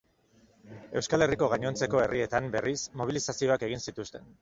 Euskal Herriko gainontzeko herrietan, berriz, mobilizazioak egin zituzten.